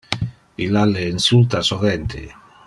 Illa le insulta sovente.